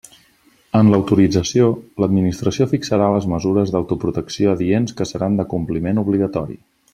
En l'autorització, l'Administració fixarà les mesures d'autoprotecció adients que seran de compliment obligatori.